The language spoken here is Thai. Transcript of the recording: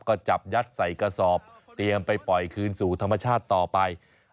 ก็จับยัดใส่กระสอบเตรียมไปปล่อยคืนสู่ธรรมชาติต่อไป